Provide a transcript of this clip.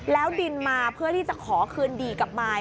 แล้วบินมาเพื่อที่จะขอคืนดีกับมาย